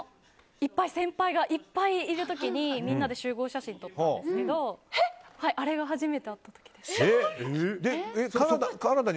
先輩がいっぱいいる時にみんなで集合写真を撮ったんですけどあれが初めて会った時です。